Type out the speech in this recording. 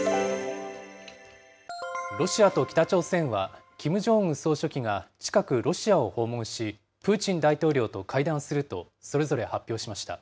ロシアと北朝鮮は、キム・ジョンウン総書記が近く、ロシアを訪問し、プーチン大統領と会談するとそれぞれ発表しました。